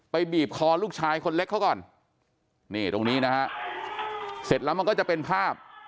บีบคอลูกชายคนเล็กเขาก่อนนี่ตรงนี้นะฮะเสร็จแล้วมันก็จะเป็นภาพ